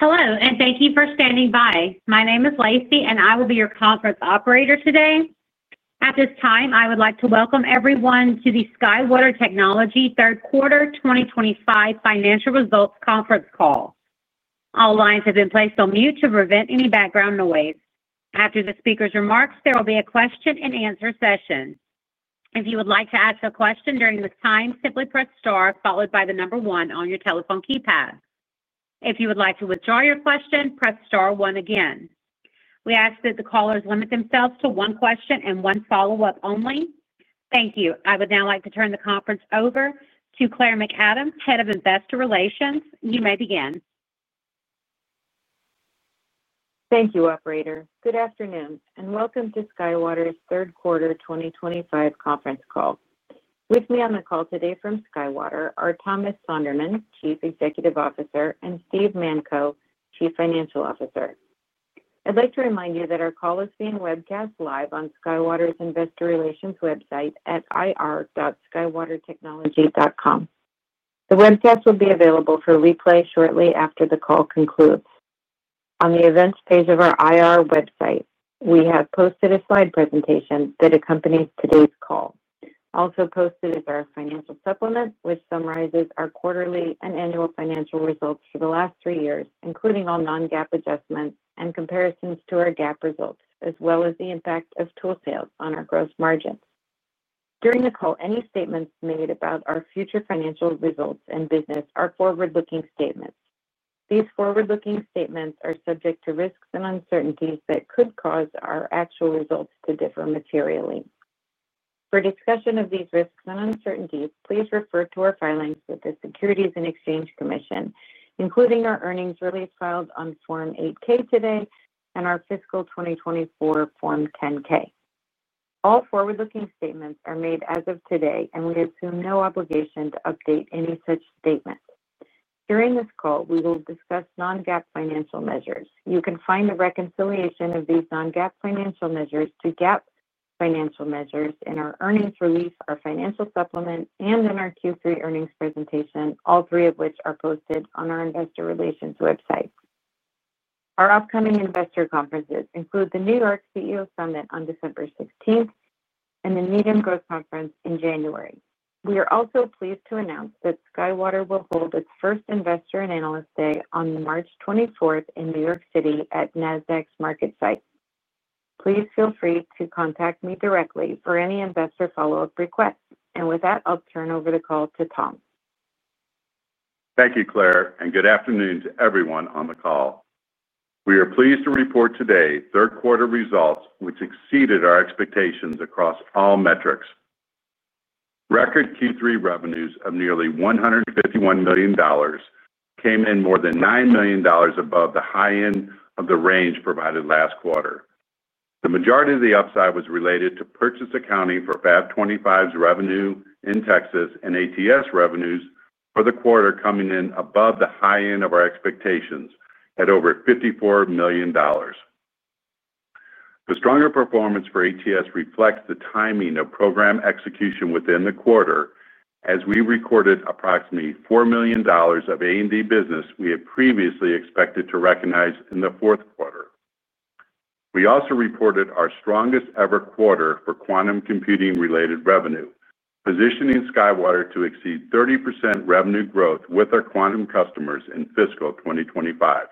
Hello, and thank you for standing by. My name is Lacey, and I will be your conference operator today. At this time, I would like to welcome everyone to the SkyWater Technology Third Quarter 2025 Financial Results Conference Call. All lines have been placed on mute to prevent any background noise. After the speaker's remarks, there will be a question-and-answer session. If you would like to ask a question during this time, simply press star followed by the number one on your telephone keypad. If you would like to withdraw your question, press star one again. We ask that the callers limit themselves to one question and one follow-up only. Thank you. I would now like to turn the conference over to Claire McAdams, Head of Investor Relations. You may begin. Thank you, operator. Good afternoon, and welcome to SkyWater's Third Quarter 2025 Conference Call. With me on the call today from SkyWater are Thomas Sonderman, Chief Executive Officer, and Steve Manko, Chief Financial Officer. I'd like to remind you that our call is being webcast live on SkyWater's Investor Relations website at ir.skywatertechnology.com. The webcast will be available for replay shortly after the call concludes. On the events page of our IR website, we have posted a slide presentation that accompanies today's call. Also posted is our financial supplement, which summarizes our quarterly and annual financial results for the last three years, including all non-GAAP adjustments and comparisons to our GAAP results, as well as the impact of tool sales on our gross margins. During the call, any statements made about our future financial results and business are forward-looking statements. These forward-looking statements are subject to risks and uncertainties that could cause our actual results to differ materially. For discussion of these risks and uncertainties, please refer to our filings with the Securities and Exchange Commission, including our earnings release filed on Form 8K today and our Fiscal 2024 Form 10K. All forward-looking statements are made as of today, and we assume no obligation to update any such statement. During this call, we will discuss non-GAAP financial measures. You can find the reconciliation of these non-GAAP financial measures to GAAP financial measures in our earnings release, our financial supplement, and in our Q3 earnings presentation, all three of which are posted on our Investor Relations website. Our upcoming investor conferences include the New York CEO Summit on December 16th and the Needham Growth Conference in January. We are also pleased to announce that SkyWater will hold its first Investor and Analyst Day on March 24 in New York City at NASDAQ MarketSite. Please feel free to contact me directly for any investor follow-up requests. With that, I'll turn over the call to Tom. Thank you, Claire, and good afternoon to everyone on the call. We are pleased to report today third-quarter results, which exceeded our expectations across all metrics. Record Q3 revenues of nearly $151 million came in more than $9 million above the high end of the range provided last quarter. The majority of the upside was related to purchase accounting for FAB25's revenue in Texas and ATS revenues for the quarter, coming in above the high end of our expectations at over $54 million. The stronger performance for ATS reflects the timing of program execution within the quarter, as we recorded approximately $4 million of A&D business we had previously expected to recognize in the fourth quarter. We also reported our strongest-ever quarter for quantum computing-related revenue, positioning SkyWater to exceed 30% revenue growth with our quantum customers in fiscal 2025.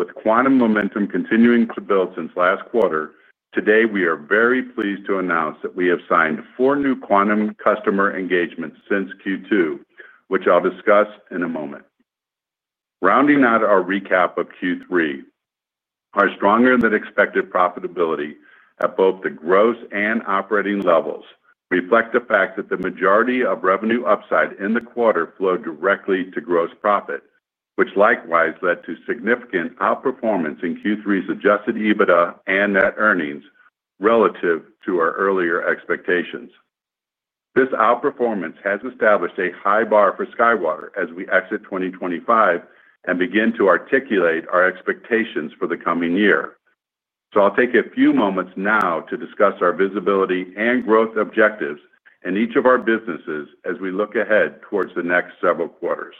With quantum momentum continuing to build since last quarter, today we are very pleased to announce that we have signed four new quantum customer engagements since Q2, which I'll discuss in a moment. Rounding out our recap of Q3. Our stronger-than-expected profitability at both the gross and operating levels reflects the fact that the majority of revenue upside in the quarter flowed directly to gross profit, which likewise led to significant outperformance in Q3's adjusted EBITDA and net earnings relative to our earlier expectations. This outperformance has established a high bar for SkyWater as we exit 2025 and begin to articulate our expectations for the coming year. I will take a few moments now to discuss our visibility and growth objectives in each of our businesses as we look ahead towards the next several quarters.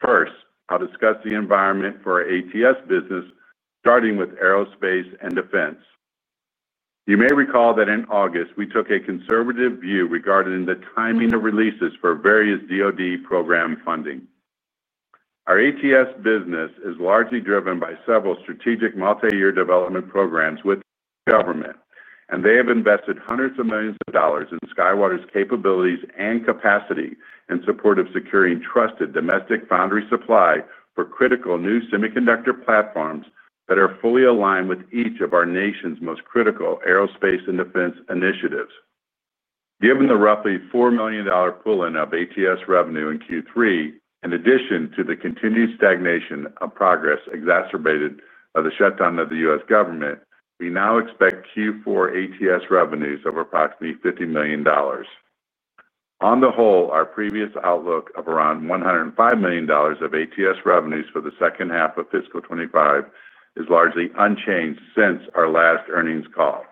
First, I'll discuss the environment for our ATS business, starting with aerospace and defense. You may recall that in August, we took a conservative view regarding the timing of releases for various DoD program funding. Our ATS business is largely driven by several strategic multi-year development programs with government, and they have invested hundreds of millions of dollars in SkyWater's capabilities and capacity in support of securing trusted domestic foundry supply for critical new semiconductor platforms that are fully aligned with each of our nation's most critical aerospace and defense initiatives. Given the roughly $4 million pulling of ATS revenue in Q3, in addition to the continued stagnation of progress exacerbated by the shutdown of the U.S. government, we now expect Q4 ATS revenues of approximately $50 million. On the whole, our previous outlook of around $105 million of ATS revenues for the second half of fiscal 2025 is largely unchanged since our last earnings call.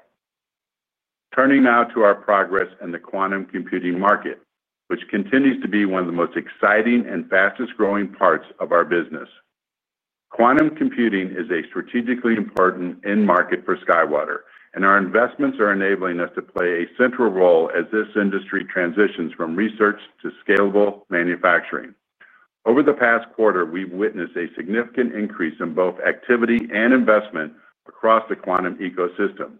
Turning now to our progress in the quantum computing market, which continues to be one of the most exciting and fastest-growing parts of our business. Quantum computing is a strategically important end market for SkyWater, and our investments are enabling us to play a central role as this industry transitions from research to scalable manufacturing. Over the past quarter, we've witnessed a significant increase in both activity and investment across the quantum ecosystem.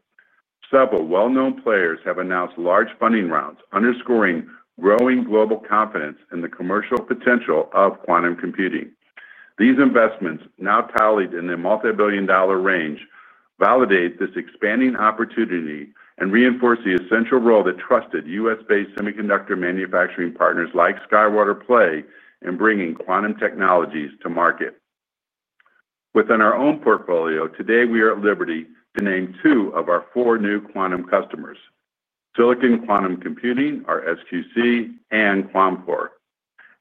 Several well-known players have announced large funding rounds, underscoring growing global confidence in the commercial potential of quantum computing. These investments, now tallied in the multi-billion dollar range, validate this expanding opportunity and reinforce the essential role that trusted US-based semiconductor manufacturing partners like SkyWater play in bringing quantum technologies to market. Within our own portfolio, today we are at liberty to name two of our four new quantum customers: Silicon Quantum Computing, or SQC, and QuamCore.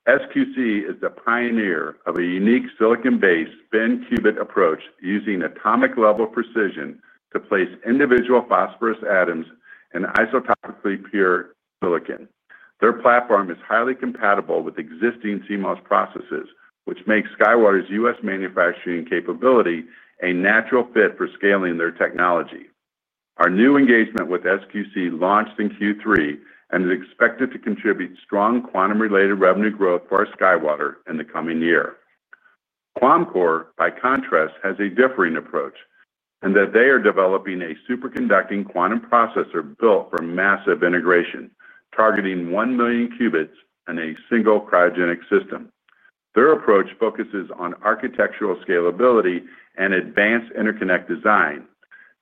SQC is the pioneer of a unique silicon-based spin qubit approach using atomic-level precision to place individual phosphorus atoms in isotopically pure silicon. Their platform is highly compatible with existing CMOS processes, which makes SkyWater's U.S. manufacturing capability a natural fit for scaling their technology. Our new engagement with SQC launched in Q3 and is expected to contribute strong quantum-related revenue growth for our SkyWater in the coming year. QuamCore, by contrast, has a differing approach in that they are developing a superconducting quantum processor built for massive integration, targeting 1 million qubits in a single cryogenic system. Their approach focuses on architectural scalability and advanced interconnect design,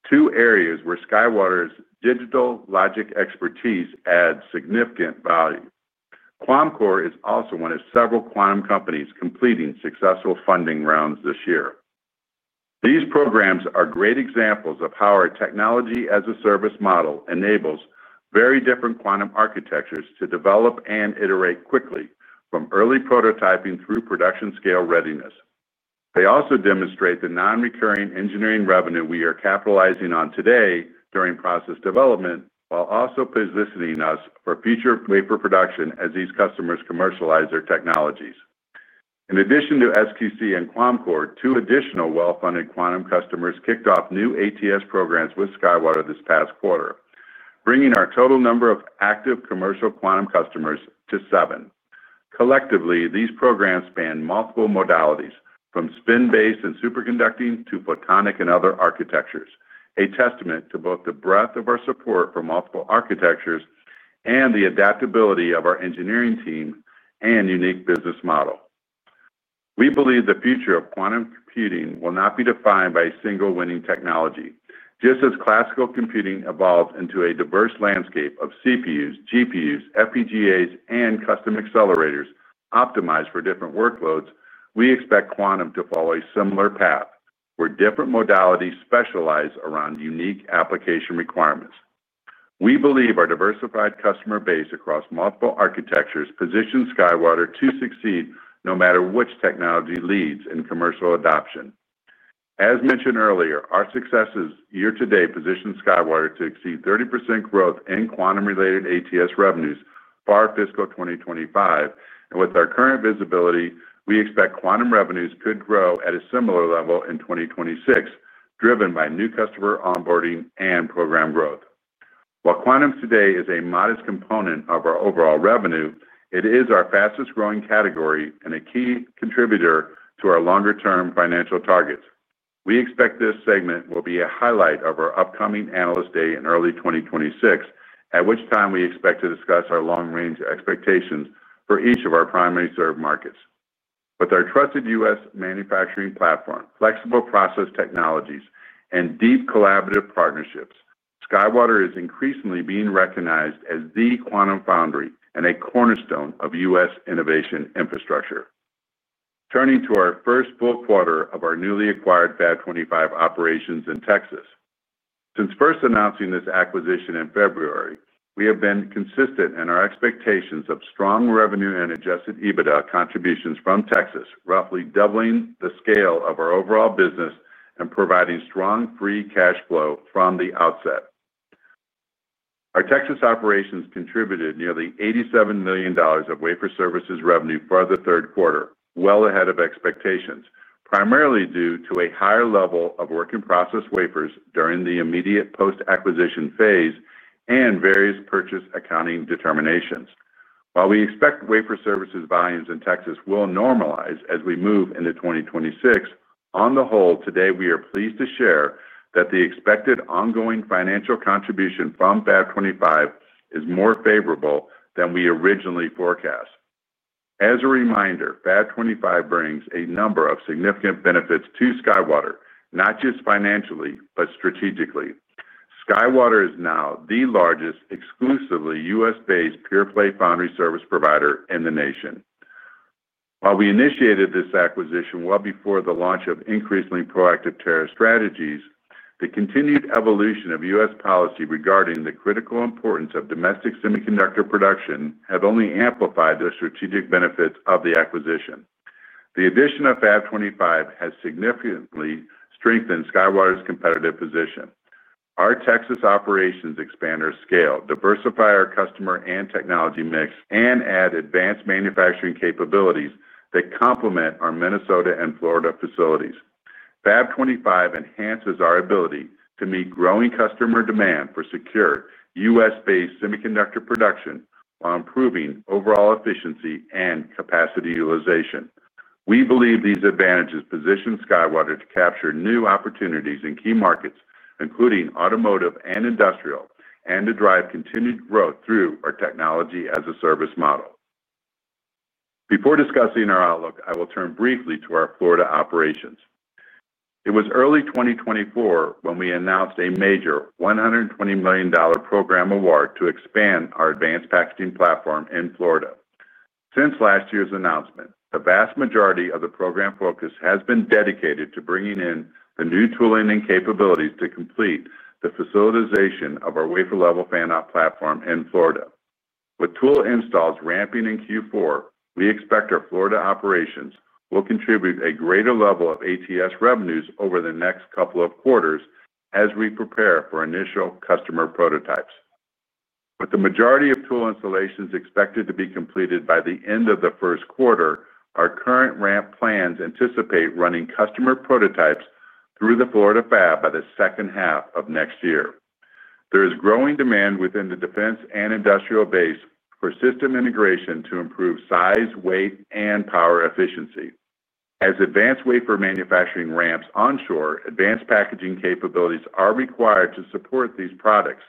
two areas where SkyWater's digital logic expertise adds significant value. QuamCore is also one of several quantum companies completing successful funding rounds this year. These programs are great examples of how our technology-as-a-service model enables very different quantum architectures to develop and iterate quickly, from early prototyping through production-scale readiness. They also demonstrate the non-recurring engineering revenue we are capitalizing on today during process development, while also positioning us for future wafer production as these customers commercialize their technologies. In addition to SQC and QuamCore, two additional well-funded quantum customers kicked off new ATS programs with SkyWater this past quarter, bringing our total number of active commercial quantum customers to seven. Collectively, these programs span multiple modalities, from spin-based and superconducting to photonic and other architectures, a testament to both the breadth of our support for multiple architectures and the adaptability of our engineering team and unique business model. We believe the future of quantum computing will not be defined by a single winning technology. Just as classical computing evolves into a diverse landscape of CPUs, GPUs, FPGAs, and custom accelerators optimized for different workloads, we expect quantum to follow a similar path where different modalities specialize around unique application requirements. We believe our diversified customer base across multiple architectures positions SkyWater to succeed no matter which technology leads in commercial adoption. As mentioned earlier, our successes year to date position SkyWater to exceed 30% growth in quantum-related ATS revenues for our fiscal 2025. With our current visibility, we expect quantum revenues could grow at a similar level in 2026, driven by new customer onboarding and program growth. While quantum today is a modest component of our overall revenue, it is our fastest-growing category and a key contributor to our longer-term financial targets. We expect this segment will be a highlight of our upcoming analyst day in early 2026, at which time we expect to discuss our long-range expectations for each of our primary serve markets. With our trusted U.S. manufacturing platform, flexible process technologies, and deep collaborative partnerships, SkyWater is increasingly being recognized as the quantum foundry and a cornerstone of U.S. innovation infrastructure. Turning to our first full quarter of our newly acquired FAB25 operations in Texas. Since first announcing this acquisition in February, we have been consistent in our expectations of strong revenue and adjusted EBITDA contributions from Texas, roughly doubling the scale of our overall business and providing strong free cash flow from the outset. Our Texas operations contributed nearly $87 million of wafer services revenue for the third quarter, well ahead of expectations, primarily due to a higher level of work-in-process wafers during the immediate post-acquisition phase and various purchase accounting determinations. While we expect wafer services volumes in Texas will normalize as we move into 2026, on the whole, today we are pleased to share that the expected ongoing financial contribution from FAB25 is more favorable than we originally forecast. As a reminder, FAB25 brings a number of significant benefits to SkyWater, not just financially, but strategically. SkyWater is now the largest exclusively US-based pure-play foundry service provider in the nation. While we initiated this acquisition well before the launch of increasingly proactive tariff strategies, the continued evolution of U.S. policy regarding the critical importance of domestic semiconductor production has only amplified the strategic benefits of the acquisition. The addition of FAB25 has significantly strengthened SkyWater's competitive position. Our Texas operations expand our scale, diversify our customer and technology mix, and add advanced manufacturing capabilities that complement our Minnesota and Florida facilities. FAB25 enhances our ability to meet growing customer demand for secure US-based semiconductor production while improving overall efficiency and capacity utilization. We believe these advantages position SkyWater to capture new opportunities in key markets, including automotive and industrial, and to drive continued growth through our technology-as-a-service model. Before discussing our outlook, I will turn briefly to our Florida operations. It was early 2024 when we announced a major $120 million program award to expand our advanced packaging platform in Florida. Since last year's announcement, the vast majority of the program focus has been dedicated to bringing in the new tooling and capabilities to complete the facilitization of our wafer-level fan-out platform in Florida. With tool installs ramping in Q4, we expect our Florida operations will contribute a greater level of ATS revenues over the next couple of quarters as we prepare for initial customer prototypes. With the majority of tool installations expected to be completed by the end of the first quarter, our current ramp plans anticipate running customer prototypes through the Florida FAB by the second half of next year. There is growing demand within the defense and industrial base for system integration to improve size, weight, and power efficiency. As advanced wafer manufacturing ramps onshore, advanced packaging capabilities are required to support these products.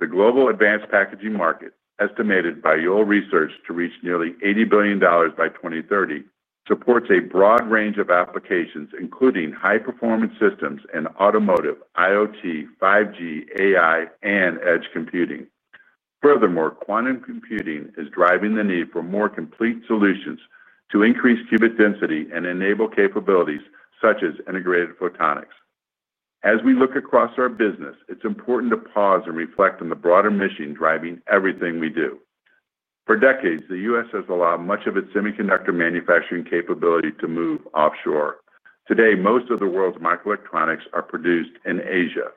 The global advanced packaging market, estimated by Yole Research to reach nearly $80 billion by 2030, supports a broad range of applications, including high-performance systems in automotive, IoT, 5G, AI, and edge computing. Furthermore, quantum computing is driving the need for more complete solutions to increase qubit density and enable capabilities such as integrated photonics. As we look across our business, it's important to pause and reflect on the broader mission driving everything we do. For decades, the U.S. has allowed much of its semiconductor manufacturing capability to move offshore. Today, most of the world's microelectronics are produced in Asia.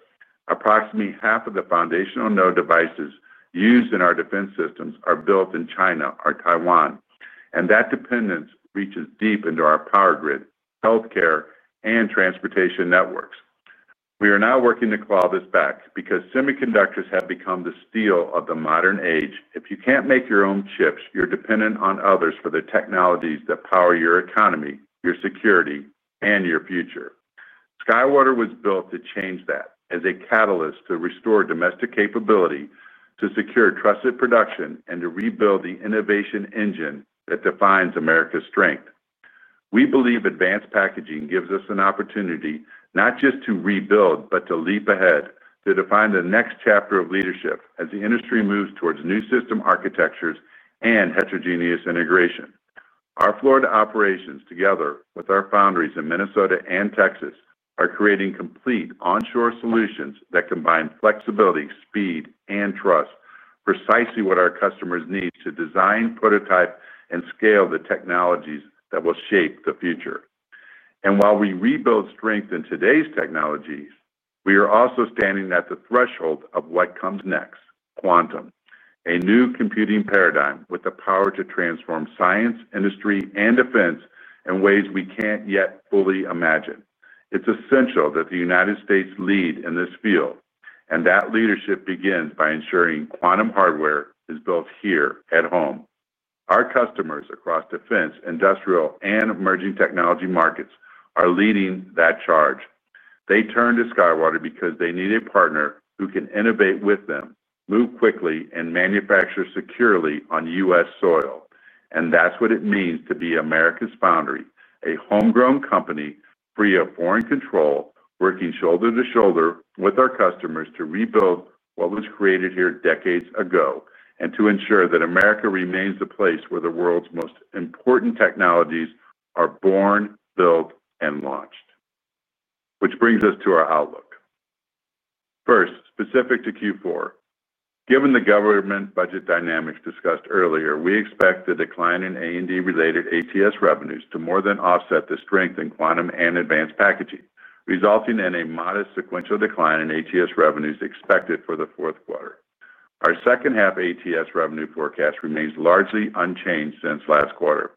Approximately half of the foundational node devices used in our defense systems are built in China or Taiwan, and that dependence reaches deep into our power grid, healthcare, and transportation networks. We are now working to claw this back because semiconductors have become the steel of the modern age. If you can't make your own chips, you're dependent on others for the technologies that power your economy, your security, and your future. SkyWater was built to change that as a catalyst to restore domestic capability, to secure trusted production, and to rebuild the innovation engine that defines America's strength. We believe advanced packaging gives us an opportunity not just to rebuild, but to leap ahead to define the next chapter of leadership as the industry moves towards new system architectures and heterogeneous integration. Our Florida operations, together with our foundries in Minnesota and Texas, are creating complete onshore solutions that combine flexibility, speed, and trust, precisely what our customers need to design, prototype, and scale the technologies that will shape the future. While we rebuild strength in today's technologies, we are also standing at the threshold of what comes next: quantum, a new computing paradigm with the power to transform science, industry, and defense in ways we can't yet fully imagine. It's essential that the United States lead in this field, and that leadership begins by ensuring quantum hardware is built here at home. Our customers across defense, industrial, and emerging technology markets are leading that charge. They turn to SkyWater because they need a partner who can innovate with them, move quickly, and manufacture securely on US soil. That is what it means to be America's foundry, a homegrown company free of foreign control, working shoulder to shoulder with our customers to rebuild what was created here decades ago and to ensure that America remains the place where the world's most important technologies are born, built, and launched. Which brings us to our outlook. First, specific to Q4, given the government budget dynamics discussed earlier, we expect the decline in A&D-related ATS revenues to more than offset the strength in quantum and advanced packaging, resulting in a modest sequential decline in ATS revenues expected for the fourth quarter. Our second-half ATS revenue forecast remains largely unchanged since last quarter.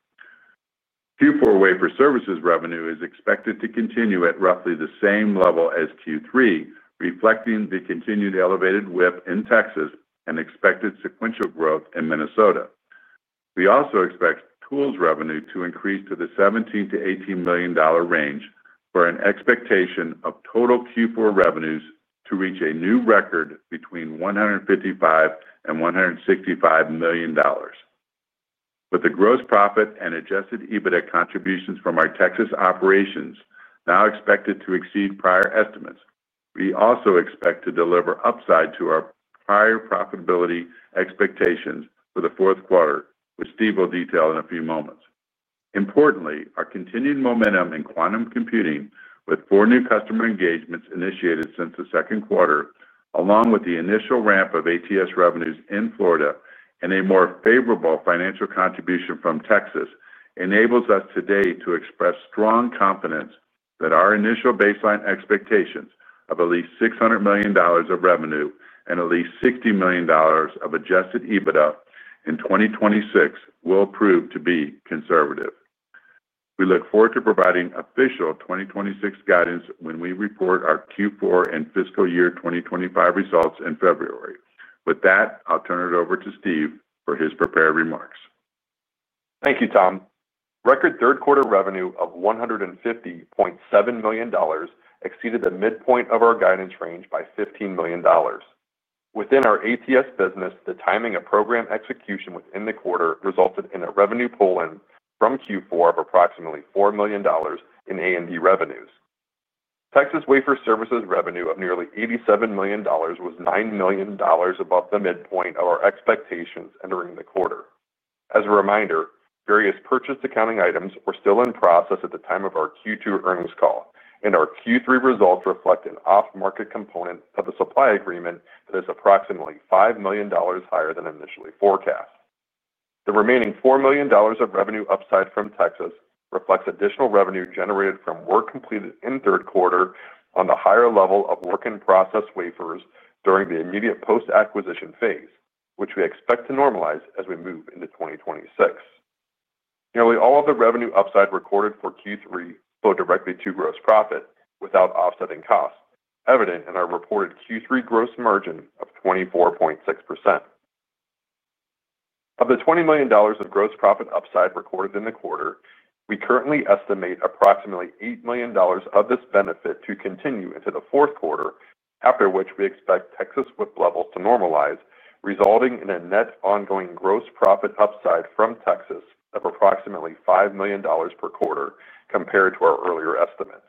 Q4 wafer services revenue is expected to continue at roughly the same level as Q3, reflecting the continued elevated WIP in Texas and expected sequential growth in Minnesota. We also expect tools revenue to increase to the $17-$18 million range for an expectation of total Q4 revenues to reach a new record between $155 and $165 million. With the gross profit and adjusted EBITDA contributions from our Texas operations now expected to exceed prior estimates, we also expect to deliver upside to our prior profitability expectations for the fourth quarter, which Steve will detail in a few moments. Importantly, our continued momentum in quantum computing, with four new customer engagements initiated since the second quarter, along with the initial ramp of ATS revenues in Florida and a more favorable financial contribution from Texas, enables us today to express strong confidence that our initial baseline expectations of at least $600 million of revenue and at least $60 million of adjusted EBITDA in 2026 will prove to be conservative. We look forward to providing official 2026 guidance when we report our Q4 and fiscal year 2025 results in February. With that, I'll turn it over to Steve for his prepared remarks. Thank you, Tom. Record third quarter revenue of $150.7 million exceeded the midpoint of our guidance range by $15 million. Within our ATS business, the timing of program execution within the quarter resulted in a revenue pull-in from Q4 of approximately $4 million in A&D revenues. Texas wafer services revenue of nearly $87 million was $9 million above the midpoint of our expectations entering the quarter. As a reminder, various purchase accounting items were still in process at the time of our Q2 earnings call, and our Q3 results reflect an off-market component of the supply agreement that is approximately $5 million higher than initially forecast. The remaining $4 million of revenue upside from Texas reflects additional revenue generated from work completed in third quarter on the higher level of work-in-process wafers during the immediate post-acquisition phase, which we expect to normalize as we move into 2026. Nearly all of the revenue upside recorded for Q3 flowed directly to gross profit without offsetting costs, evident in our reported Q3 gross margin of 24.6%. Of the $20 million of gross profit upside recorded in the quarter, we currently estimate approximately $8 million of this benefit to continue into the fourth quarter, after which we expect Texas WIP levels to normalize, resulting in a net ongoing gross profit upside from Texas of approximately $5 million per quarter compared to our earlier estimates.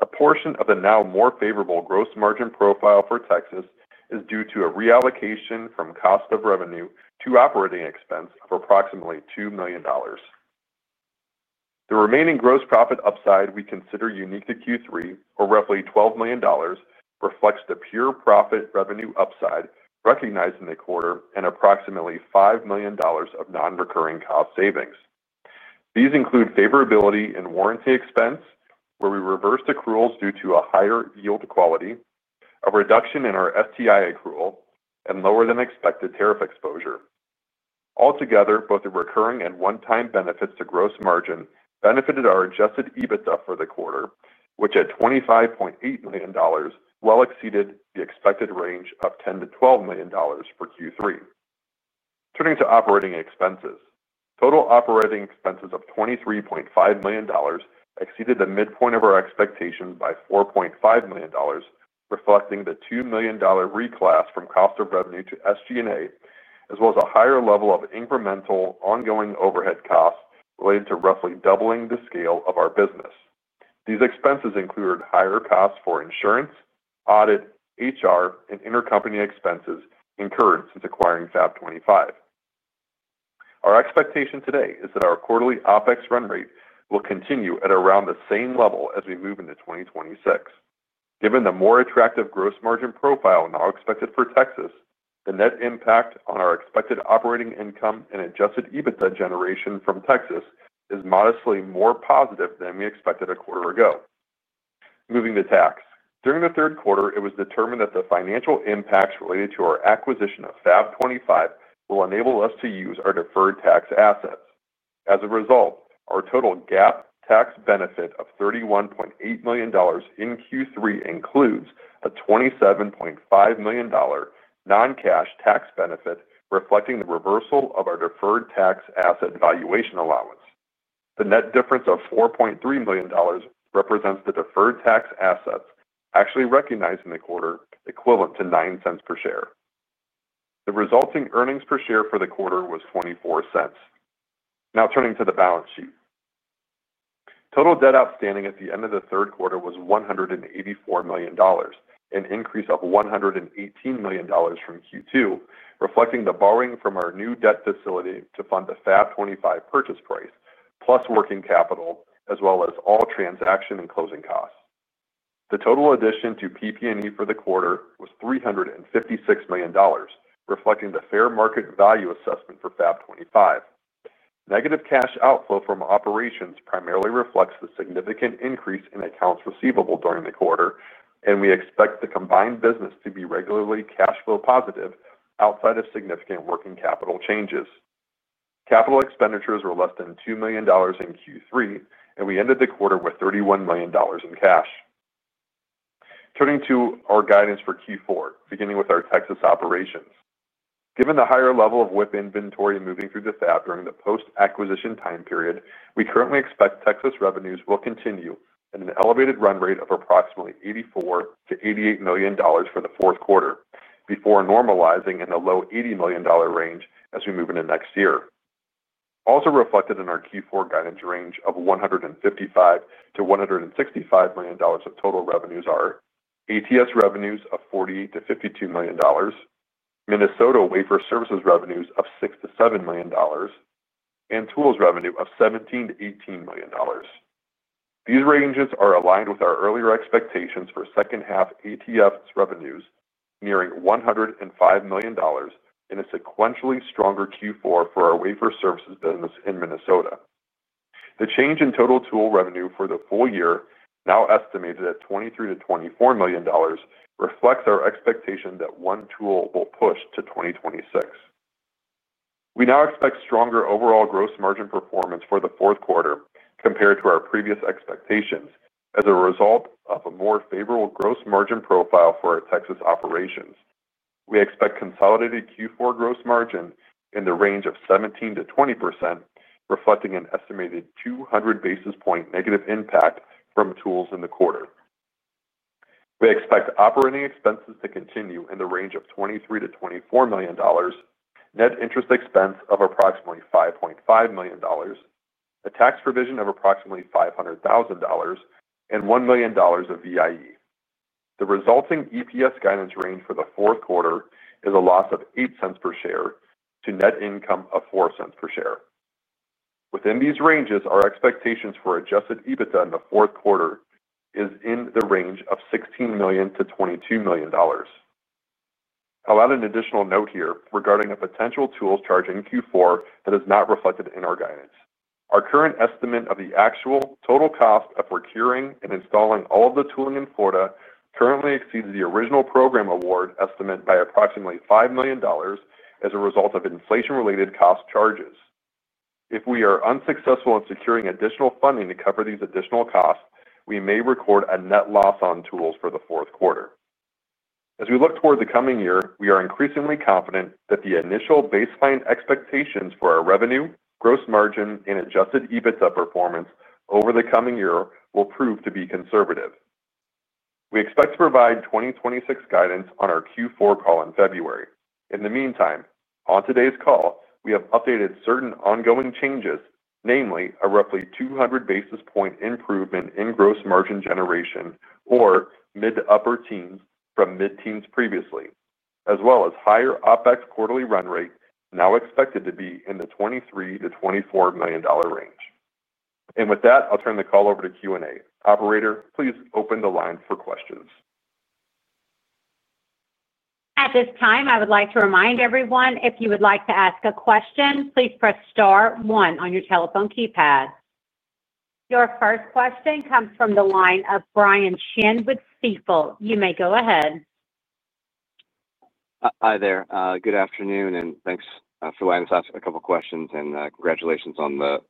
A portion of the now more favorable gross margin profile for Texas is due to a reallocation from cost of revenue to operating expense of approximately $2 million. The remaining gross profit upside we consider unique to Q3, or roughly $12 million, reflects the pure profit revenue upside recognized in the quarter and approximately $5 million of non-recurring cost savings. These include favorability in warranty expense, where we reversed accruals due to a higher yield quality, a reduction in our STI accrual, and lower-than-expected tariff exposure. Altogether, both the recurring and one-time benefits to gross margin benefited our adjusted EBITDA for the quarter, which at $25.8 million well exceeded the expected range of $10-$12 million for Q3. Turning to operating expenses, total operating expenses of $23.5 million exceeded the midpoint of our expectations by $4.5 million, reflecting the $2 million reclass from cost of revenue to SG&A, as well as a higher level of incremental ongoing overhead costs related to roughly doubling the scale of our business. These expenses included higher costs for insurance, audit, HR, and intercompany expenses incurred since acquiring FAB25. Our expectation today is that our quarterly OpEx run rate will continue at around the same level as we move into 2026. Given the more attractive gross margin profile now expected for Texas, the net impact on our expected operating income and adjusted EBITDA generation from Texas is modestly more positive than we expected a quarter ago. Moving to tax, during the third quarter, it was determined that the financial impacts related to our acquisition of FAB25 will enable us to use our deferred tax assets. As a result, our total GAAP tax benefit of $31.8 million in Q3 includes a $27.5 million non-cash tax benefit reflecting the reversal of our deferred tax asset valuation allowance. The net difference of $4.3 million represents the deferred tax assets actually recognized in the quarter equivalent to $0.09 per share. The resulting earnings per share for the quarter was $0.24. Now, turning to the balance sheet. Total debt outstanding at the end of the third quarter was $184 million, an increase of $118 million from Q2, reflecting the borrowing from our new debt facility to fund the FAB25 purchase price, plus working capital, as well as all transaction and closing costs. The total addition to PP&E for the quarter was $356 million, reflecting the fair market value assessment for FAB25. Negative cash outflow from operations primarily reflects the significant increase in accounts receivable during the quarter, and we expect the combined business to be regularly cash flow positive outside of significant working capital changes. Capital expenditures were less than $2 million in Q3, and we ended the quarter with $31 million in cash. Turning to our guidance for Q4, beginning with our Texas operations. Given the higher level of WIP inventory moving through the FAB during the post-acquisition time period, we currently expect Texas revenues will continue at an elevated run rate of approximately $84-$88 million for the fourth quarter before normalizing in the low $80 million range as we move into next year. Also reflected in our Q4 guidance range of $155-$165 million of total revenues are ATS revenues of $40-$52 million, Minnesota wafer services revenues of $6-$7 million, and tools revenue of $17-$18 million. These ranges are aligned with our earlier expectations for second-half ATS revenues, nearing $105 million in a sequentially stronger Q4 for our wafer services business in Minnesota. The change in total tool revenue for the full year, now estimated at $23-$24 million, reflects our expectation that one tool will push to 2026. We now expect stronger overall gross margin performance for the fourth quarter compared to our previous expectations as a result of a more favorable gross margin profile for our Texas operations. We expect consolidated Q4 gross margin in the range of 17%-20%, reflecting an estimated 200 basis point negative impact from tools in the quarter. We expect operating expenses to continue in the range of $23-$24 million, net interest expense of approximately $5.5 million, a tax provision of approximately $500,000, and $1 million of VIE. The resulting EPS guidance range for the fourth quarter is a loss of 8 cents per share to net income of 4 cents per share. Within these ranges, our expectations for adjusted EBITDA in the fourth quarter are in the range of $16 million-$22 million. I'll add an additional note here regarding a potential tools charge in Q4 that is not reflected in our guidance. Our current estimate of the actual total cost of procuring and installing all of the tooling in Florida currently exceeds the original program award estimate by approximately $5 million as a result of inflation-related cost charges. If we are unsuccessful in securing additional funding to cover these additional costs, we may record a net loss on tools for the fourth quarter. As we look toward the coming year, we are increasingly confident that the initial baseline expectations for our revenue, gross margin, and adjusted EBITDA performance over the coming year will prove to be conservative. We expect to provide 2026 guidance on our Q4 call in February. In the meantime, on today's call, we have updated certain ongoing changes, namely a roughly 200 basis point improvement in gross margin generation or mid to upper teens from mid-teens previously, as well as higher OpEx quarterly run rate now expected to be in the $23-$24 million range. With that, I'll turn the call over to Q&A. Operator, please open the line for questions. At this time, I would like to remind everyone, if you would like to ask a question, please press Star one on your telephone keypad. Your first question comes from the line of Brian Chen with Seaport Research Partners. You may go ahead. Hi there. Good afternoon, and thanks for letting us ask a couple of questions, and congratulations on the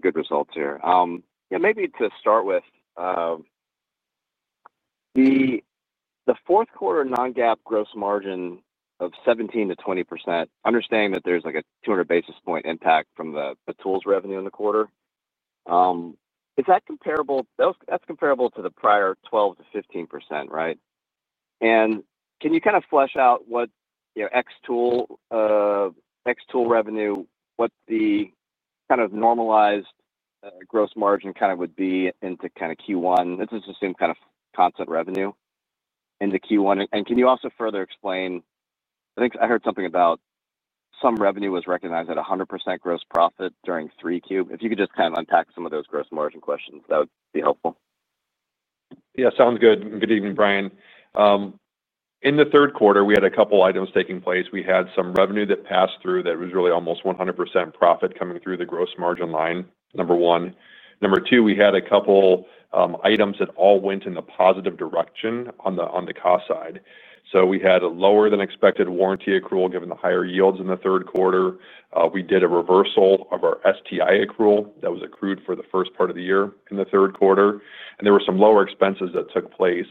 good results here. Yeah, maybe to start with. The fourth quarter non-GAAP gross margin of 17%-20%, understanding that there's like a 200 basis point impact from the tools revenue in the quarter. Is that comparable? That's comparable to the prior 12%-15%, right? Can you kind of flesh out what, excluding tool revenue, what the kind of normalized gross margin kind of would be into Q1? Let's just assume kind of constant revenue into Q1. Can you also further explain? I think I heard something about some revenue was recognized at 100% gross profit during Q3. If you could just kind of unpack some of those gross margin questions, that would be helpful. Yeah, sounds good. Good evening, Brian. In the third quarter, we had a couple of items taking place. We had some revenue that passed through that was really almost 100% profit coming through the gross margin line, number one. Number two, we had a couple of items that all went in the positive direction on the cost side. We had a lower-than-expected warranty accrual given the higher yields in the third quarter. We did a reversal of our STI accrual that was accrued for the first part of the year in the third quarter. There were some lower expenses that took place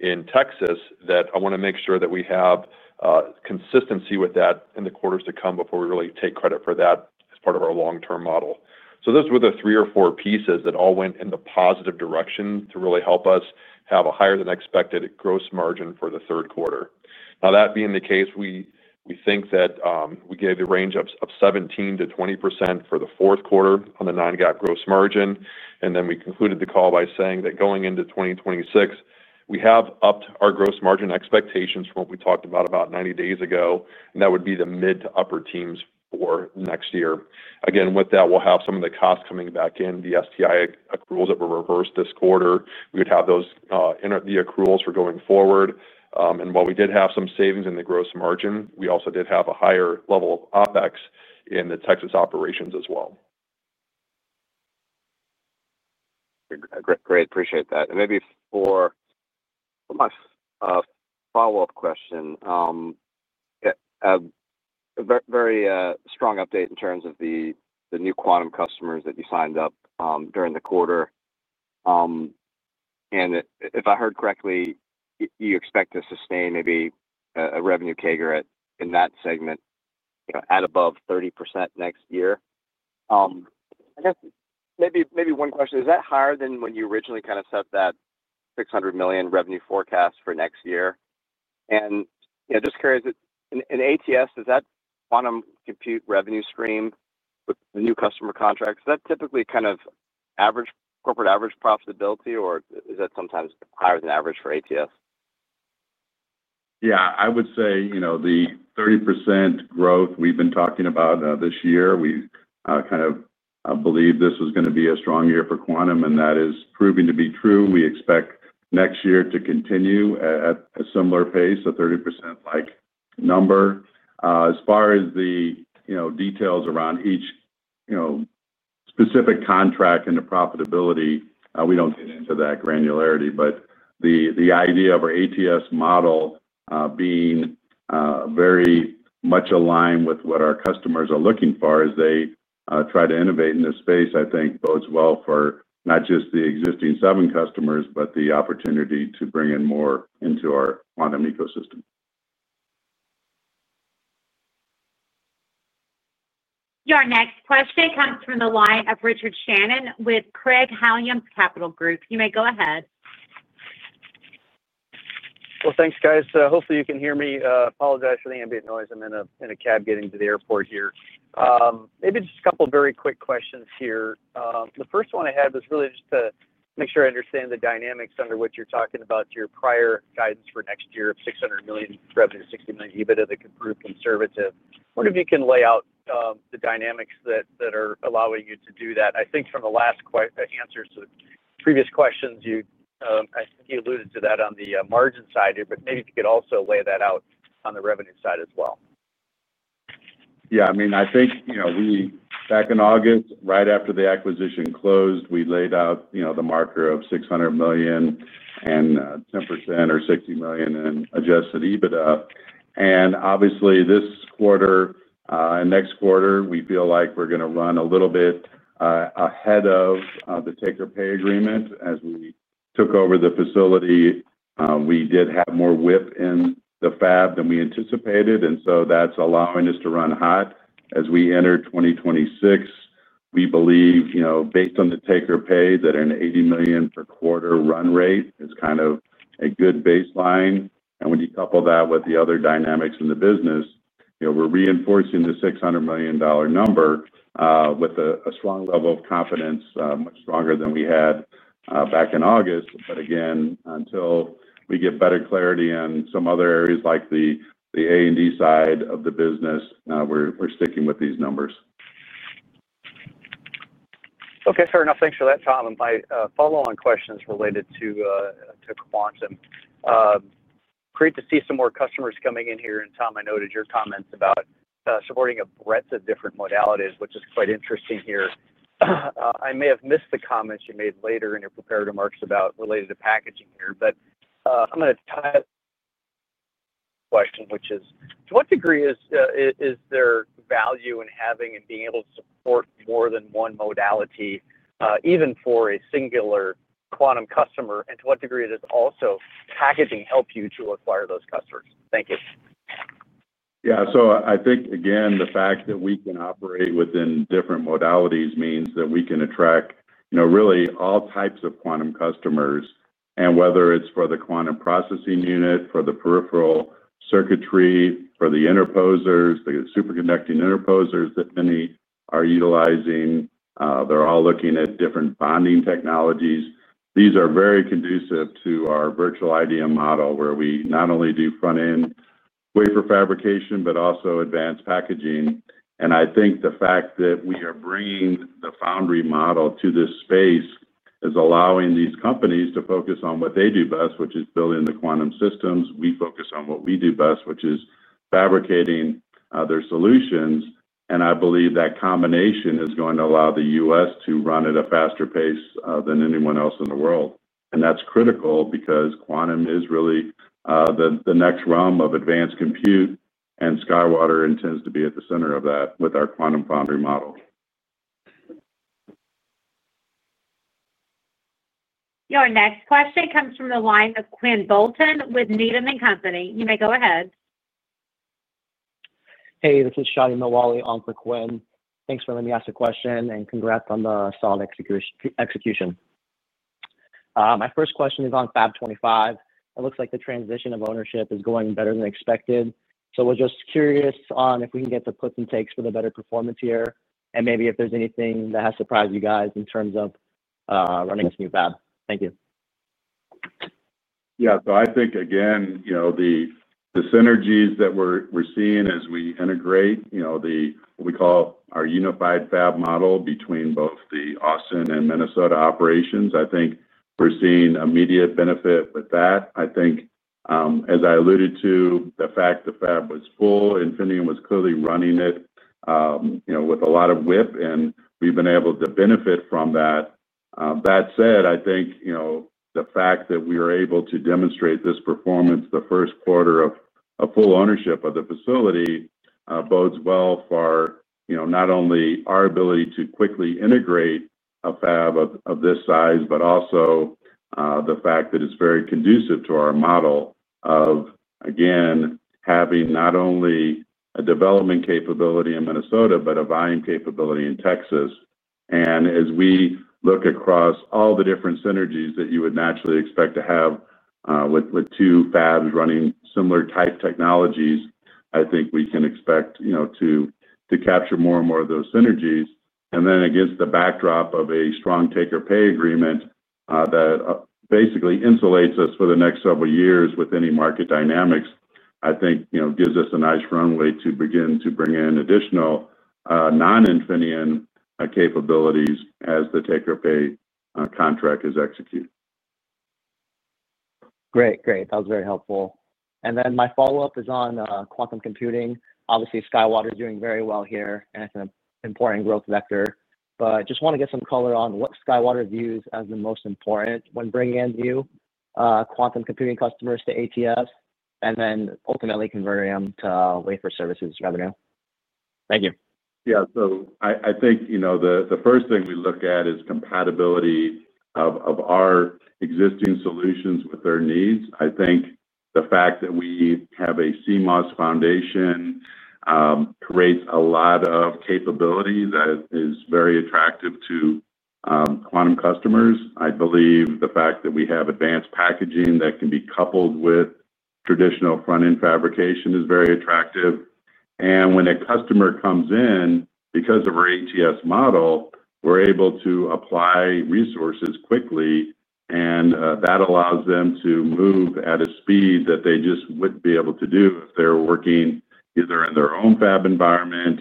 in Texas that I want to make sure that we have consistency with that in the quarters to come before we really take credit for that as part of our long-term model. Those were the three or four pieces that all went in the positive direction to really help us have a higher-than-expected gross margin for the third quarter. Now, that being the case, we think that we gave the range of 17%-20% for the fourth quarter on the non-GAAP gross margin. We concluded the call by saying that going into 2026, we have upped our gross margin expectations from what we talked about about 90 days ago, and that would be the mid to upper teens for next year. Again, with that, we'll have some of the costs coming back in, the STI accruals that were reversed this quarter. We would have those, the accruals for going forward. While we did have some savings in the gross margin, we also did have a higher level of OpEx in the Texas operations as well. Great. Great. Appreciate that. Maybe for a follow-up question. A very strong update in terms of the new quantum customers that you signed up during the quarter. If I heard correctly, you expect to sustain maybe a revenue CAGR in that segment at above 30% next year. I guess maybe one question. Is that higher than when you originally kind of set that $600 million revenue forecast for next year? Just curious, in ATS, does that quantum compute revenue stream with the new customer contracts, is that typically kind of corporate average profitability, or is that sometimes higher than average for ATS? Yeah, I would say the 30% growth we've been talking about this year, we kind of believe this was going to be a strong year for quantum, and that is proving to be true. We expect next year to continue at a similar pace, a 30%-like number. As far as the details around each specific contract and the profitability, we do not get into that granularity. The idea of our ATS model being. Very much aligned with what our customers are looking for as they try to innovate in this space, I think bodes well for not just the existing seven customers, but the opportunity to bring in more into our quantum ecosystem. Your next question comes from the line of Richard Shannon with Craig-Hallum Capital Group. You may go ahead. Thanks, guys. Hopefully, you can hear me. Apologize for the ambient noise. I'm in a cab getting to the airport here. Maybe just a couple of very quick questions here. The first one I had was really just to make sure I understand the dynamics under which you're talking about your prior guidance for next year of $600 million revenue, $60 million EBITDA that could prove conservative. I wonder if you can lay out the dynamics that are allowing you to do that. I think from the last answers to the previous questions, you alluded to that on the margin side here, but maybe if you could also lay that out on the revenue side as well. Yeah, I mean, I think. Back in August, right after the acquisition closed, we laid out the marker of $600 million. And 10% or $60 million in adjusted EBITDA. Obviously, this quarter and next quarter, we feel like we're going to run a little bit ahead of the take-or-pay agreement. As we took over the facility, we did have more WIP in the fab than we anticipated. That is allowing us to run hot. As we enter 2026, we believe, based on the take-or-pay, that an $80 million per quarter run rate is kind of a good baseline. When you couple that with the other dynamics in the business. We're reinforcing the $600 million number. With a strong level of confidence, much stronger than we had back in August. Again, until we get better clarity on some other areas like the A&D side of the business, we're sticking with these numbers. Okay, fair enough. Thanks for that, Tom. My follow-on question is related to quantum. Great to see some more customers coming in here. Tom, I noted your comments about supporting a breadth of different modalities, which is quite interesting here. I may have missed the comments you made later in your preparatory marks related to packaging here, but I'm going to tie it. To the question, which is, to what degree is there value in having and being able to support more than one modality, even for a singular quantum customer, and to what degree does also packaging help you to acquire those customers? Thank you. Yeah, I think, again, the fact that we can operate within different modalities means that we can attract really all types of quantum customers. Whether it is for the quantum processing unit, for the peripheral circuitry, for the interposers, the superconducting interposers that many are utilizing, they are all looking at different bonding technologies. These are very conducive to our virtual IDM model, where we not only do front-end wafer fabrication, but also advanced packaging. I think the fact that we are bringing the foundry model to this space is allowing these companies to focus on what they do best, which is building the quantum systems. We focus on what we do best, which is fabricating their solutions. I believe that combination is going to allow the U.S. to run at a faster pace than anyone else in the world. That is critical because quantum is really the next realm of advanced compute, and SkyWater intends to be at the center of that with our quantum foundry model. Your next question comes from the line of Quinn Bolton with Needham & Company. You may go ahead. Hey, this is Shawnie McAuley on for Quinn. Thanks for letting me ask the question and congrats on the solid execution. My first question is on FAB25. It looks like the transition of ownership is going better than expected. We're just curious on if we can get the puts and takes for the better performance here and maybe if there's anything that has surprised you guys in terms of running this new fab. Thank you. Yeah, I think, again, the synergies that we're seeing as we integrate what we call our unified fab model between both the Austin and Minnesota operations, I think we're seeing immediate benefit with that. I think, as I alluded to, the fact the fab was full and Infineon was clearly running it with a lot of WIP, and we've been able to benefit from that. That said, I think the fact that we were able to demonstrate this performance the first quarter of full ownership of the facility bodes well for not only our ability to quickly integrate a fab of this size, but also. The fact that it's very conducive to our model of, again, having not only a development capability in Minnesota, but a buying capability in Texas. As we look across all the different synergies that you would naturally expect to have with two fabs running similar type technologies, I think we can expect to capture more and more of those synergies. Then, against the backdrop of a strong take-or-pay agreement that basically insulates us for the next several years with any market dynamics, I think gives us a nice runway to begin to bring in additional non-Infineon capabilities as the take-or-pay contract is executed. Great. Great. That was very helpful. My follow-up is on quantum computing. Obviously, SkyWater is doing very well here, and it's an important growth vector. I just want to get some color on what SkyWater views as the most important when bringing in new quantum computing customers to ATS and then ultimately converting them to wafer services revenue. Thank you. Yeah, I think the first thing we look at is compatibility of our existing solutions with their needs. I think the fact that we have a CMOS foundation creates a lot of capability that is very attractive to quantum customers. I believe the fact that we have advanced packaging that can be coupled with traditional front-end fabrication is very attractive. When a customer comes in, because of our ATS model, we're able to apply resources quickly, and that allows them to move at a speed that they just wouldn't be able to do if they're working either in their own fab environment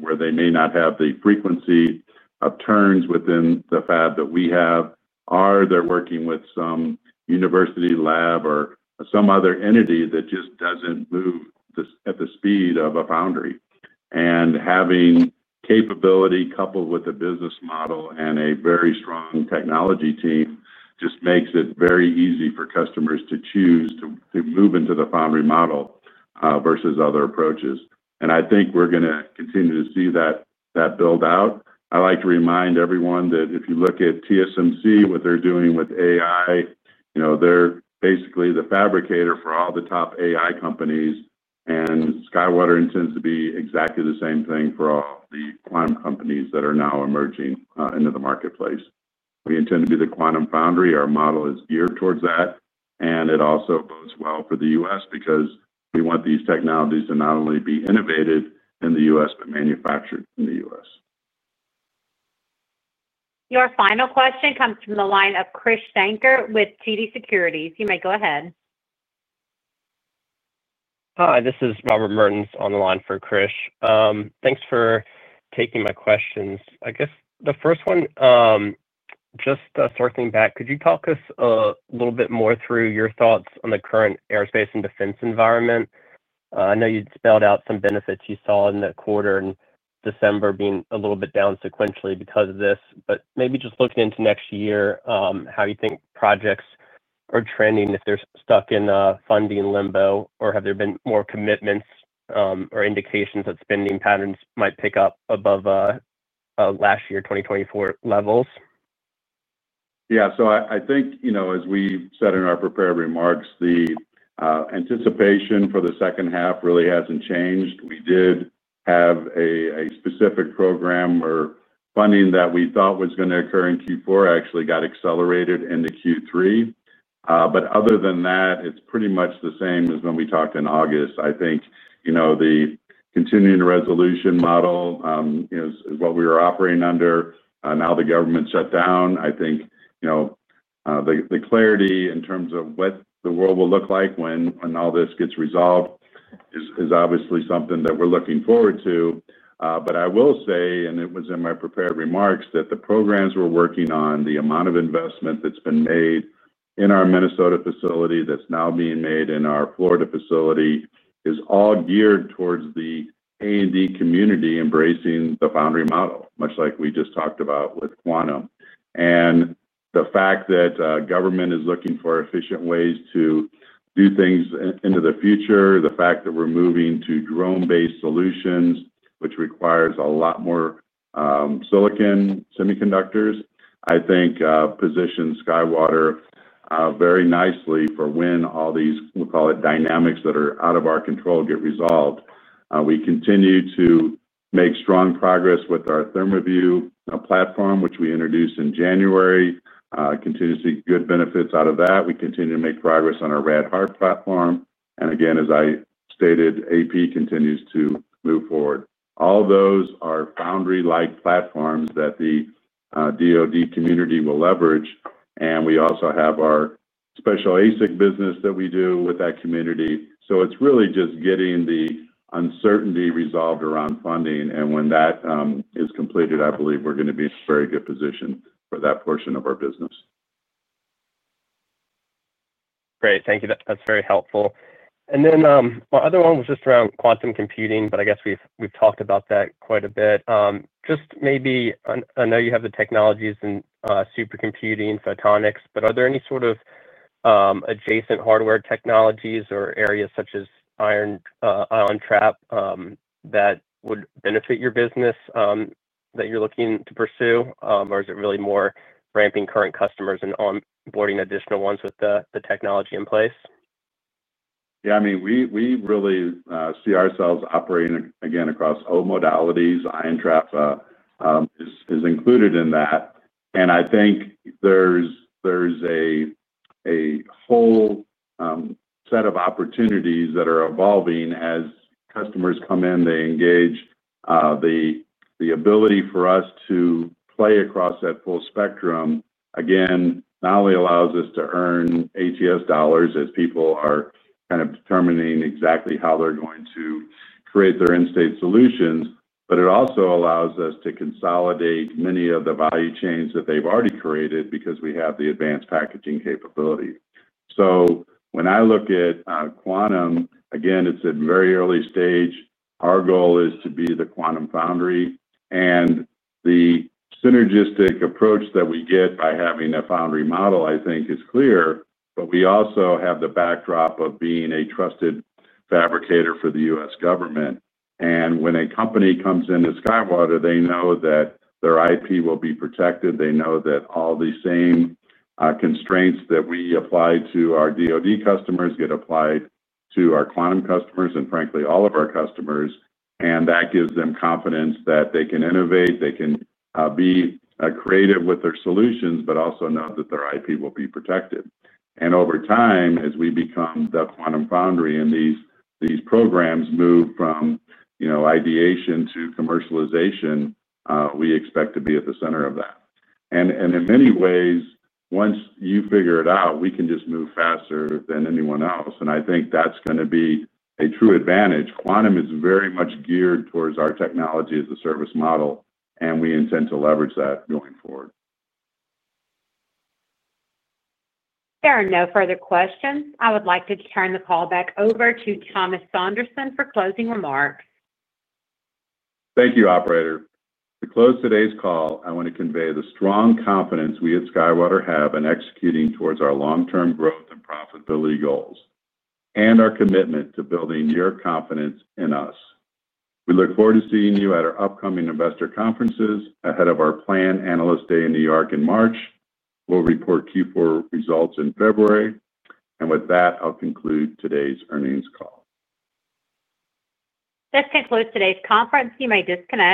where they may not have the frequency of turns within the fab that we have, or they're working with some university lab or some other entity that just doesn't move at the speed of a foundry. Having capability coupled with a business model and a very strong technology team just makes it very easy for customers to choose to move into the foundry model versus other approaches. I think we're going to continue to see that build out. I like to remind everyone that if you look at TSMC, what they're doing with AI. They're basically the fabricator for all the top AI companies, and SkyWater intends to be exactly the same thing for all the quantum companies that are now emerging into the marketplace. We intend to be the quantum foundry. Our model is geared towards that, and it also bodes well for the U.S. because we want these technologies to not only be innovated in the U.S., but manufactured in the U.S. Your final question comes from the line of Krish Sankar with TD Securities. You may go ahead. Hi, this is Robert Merton on the line for Krish. Thanks for taking my questions. I guess the first one. Just circling back, could you talk us a little bit more through your thoughts on the current aerospace and defense environment? I know you spelled out some benefits you saw in the quarter and December being a little bit down sequentially because of this, but maybe just looking into next year, how you think projects are trending if they're stuck in a funding limbo, or have there been more commitments or indications that spending patterns might pick up above last year, 2024, levels? Yeah, so I think, as we said in our preparatory remarks, the anticipation for the second half really hasn't changed. We did have a specific program or funding that we thought was going to occur in Q4 actually got accelerated into Q3. Other than that, it's pretty much the same as when we talked in August. I think the continuing resolution model is what we were operating under. Now the government shut down. I think. The clarity in terms of what the world will look like when all this gets resolved is obviously something that we're looking forward to. I will say, and it was in my preparatory remarks, that the programs we're working on, the amount of investment that's been made in our Minnesota facility that's now being made in our Florida facility, is all geared towards the A&D community embracing the foundry model, much like we just talked about with quantum. The fact that government is looking for efficient ways to do things into the future, the fact that we're moving to drone-based solutions, which requires a lot more silicon semiconductors, I think positions SkyWater very nicely for when all these, we'll call it dynamics that are out of our control, get resolved. We continue to make strong progress with our ThermaVue platform, which we introduced in January. Continues to see good benefits out of that. We continue to make progress on our RedHart platform. As I stated, AP continues to move forward. All those are foundry-like platforms that the DoD community will leverage. We also have our special ASIC business that we do with that community. It is really just getting the uncertainty resolved around funding. When that is completed, I believe we are going to be in a very good position for that portion of our business. Great. Thank you. That is very helpful. My other one was just around quantum computing, but I guess we have talked about that quite a bit. Maybe I know you have the technologies in supercomputing, photonics, but are there any sort of adjacent hardware technologies or areas such as ion trap that would benefit your business. That you're looking to pursue, or is it really more ramping current customers and onboarding additional ones with the technology in place? Yeah, I mean, we really see ourselves operating, again, across all modalities. Ion trap is included in that. I think there's a whole set of opportunities that are evolving as customers come in, they engage. The ability for us to play across that full spectrum, again, not only allows us to earn ATS dollars as people are kind of determining exactly how they're going to create their end-state solutions, but it also allows us to consolidate many of the value chains that they've already created because we have the advanced packaging capability. When I look at quantum, again, it's a very early stage. Our goal is to be the quantum foundry. The synergistic approach that we get by having a foundry model, I think, is clear, but we also have the backdrop of being a trusted fabricator for the U.S. government. When a company comes into SkyWater, they know that their IP will be protected. They know that all the same constraints that we apply to our DoD customers get applied to our quantum customers and, frankly, all of our customers. That gives them confidence that they can innovate, they can be creative with their solutions, but also know that their IP will be protected. Over time, as we become the quantum foundry and these programs move from ideation to commercialization, we expect to be at the center of that. In many ways, once you figure it out, we can just move faster than anyone else. I think that's going to be a true advantage. Quantum is very much geared towards our technology as a service model, and we intend to leverage that going forward. There are no further questions. I would like to turn the call back over to Thomas Sonderman for closing remarks. Thank you, operator. To close today's call, I want to convey the strong confidence we at SkyWater have in executing towards our long-term growth and profitability goals and our commitment to building your confidence in us. We look forward to seeing you at our upcoming investor conferences ahead of our planned analyst day in New York in March. We'll report Q4 results in February. With that, I'll conclude today's earnings call. This concludes today's conference. You may disconnect.